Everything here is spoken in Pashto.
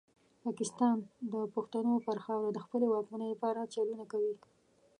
پاکستان د پښتنو پر خاوره د خپلې واکمنۍ لپاره چلونه کوي.